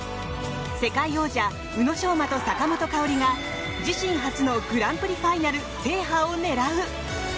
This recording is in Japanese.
世界王者・宇野昌磨と坂本花織が自身初のグランプリファイナル制覇を狙う。